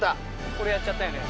これやっちゃったよね。